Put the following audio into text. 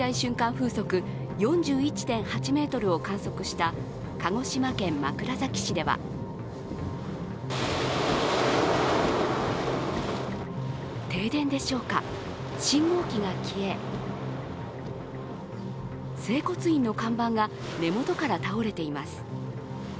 風速４１．８メートルを観測した鹿児島県枕崎市では停電でしょうか、信号機が消え整骨院の看板が根元から倒れています。